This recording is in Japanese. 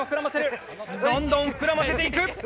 どんどん膨らませていく。